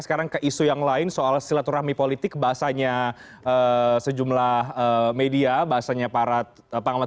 sekarang ke isu yang lain soal silaturahmi politik bahasanya sejumlah media bahasanya para panglima